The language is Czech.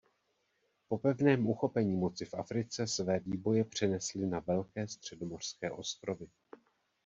Po pevném uchopení moci v Africe své výboje přenesli na velké středomořské ostrovy.